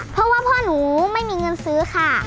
เพราะว่าพ่อหนูไม่มีเงินซื้อค่ะ